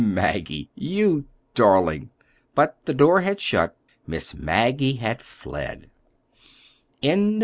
"Maggie, you—darling!" But the door had shut—Miss Maggie had fled.